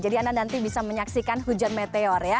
anda nanti bisa menyaksikan hujan meteor ya